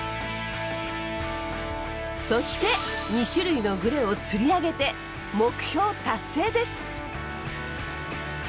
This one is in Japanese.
そして２種類のグレを釣り上げて目標達成です！